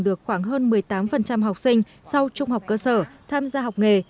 được khoảng hơn một mươi tám học sinh sau trung học cơ sở tham gia học nghề